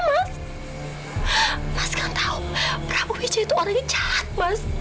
mas kan tahu prabu wijaya itu orang yang jahat mas